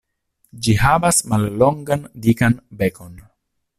Ĝi havas mallongan dikan bekon.